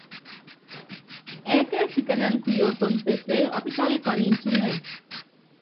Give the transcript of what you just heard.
Ɛɛkɛsikɛnɛnɛ kuyosono peseé, ɔpítɔ́likɔnɔ ncúŋɛ.